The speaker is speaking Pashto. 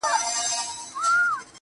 • هغه مي سرې سترگي زغملای نسي.